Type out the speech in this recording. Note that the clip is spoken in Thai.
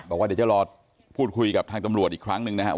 บอกว่าเดี๋ยวจะรอพูดคุยกับทางตำรวจอีกครั้งหนึ่งนะครับ